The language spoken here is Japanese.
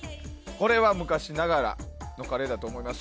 これは昔ながらのカレーだと思います。